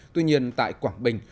tuy nhiên tại quảng bình